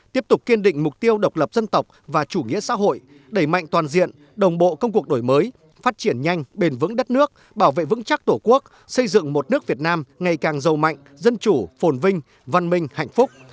tiếp tục kiên định mục tiêu độc lập dân tộc và chủ nghĩa xã hội đẩy mạnh toàn diện đồng bộ công cuộc đổi mới phát triển nhanh bền vững đất nước bảo vệ vững chắc tổ quốc xây dựng một nước việt nam ngày càng giàu mạnh dân chủ phồn vinh văn minh hạnh phúc